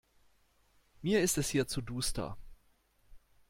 Mir ist es hier zu duster.